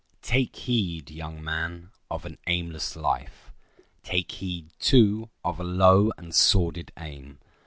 Take heed, young man, of an aimless life. Take heed, too, of a low and sordid aim.